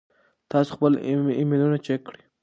تاسو خپل ایمیلونه چیک کړئ.